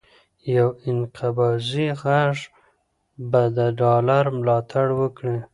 یو انقباضي غږ به د ډالر ملاتړ وکړي،